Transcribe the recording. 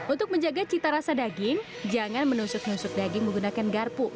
untuk menjaga cita rasa daging jangan menusuk nusuk daging menggunakan garpu